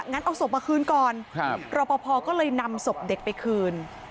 งั้นเอาศพมาคืนก่อนรอปภก็เลยนำศพเด็กไปคืน